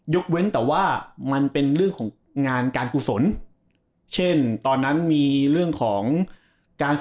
เว้นแต่ว่ามันเป็นเรื่องของงานการกุศลเช่นตอนนั้นมีเรื่องของการ